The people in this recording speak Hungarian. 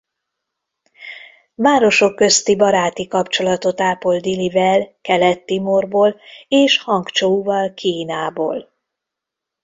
Városok közti baráti kapcsolatot ápol Dilivel Kelet-Timorból és Hangcsouval Kínából.